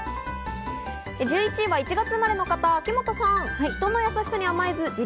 １１位は１月生まれの方、秋元さん。